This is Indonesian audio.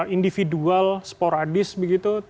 individual sporadis begitu